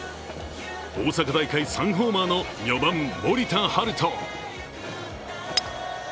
大阪大会３ホーマーの４番・森田大翔。